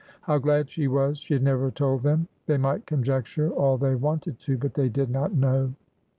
How glad she was she had never told them! They might conjecture all they wanted to, but they did not know!